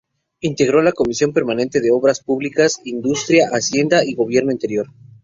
Integró la Comisión permanente de Obras Públicas, Industria, Hacienda y Gobierno Interior.